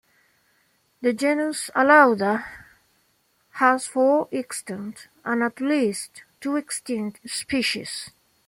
The genus "Alauda" has four extant and at least two extinct species.